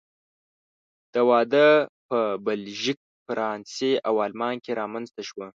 دا وده په بلژیک، فرانسې او آلمان کې رامنځته شوه.